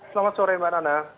selamat sore mbak nana